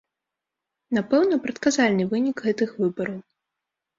Напэўна, прадказальны вынік гэтых выбараў.